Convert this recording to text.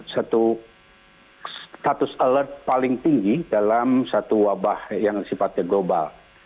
satu status alert paling tinggi dalam satu wabah yang sifatnya global